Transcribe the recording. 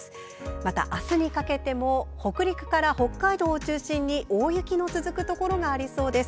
また、明日にかけても北陸から北海道を中心に大雪の続くところがありそうです。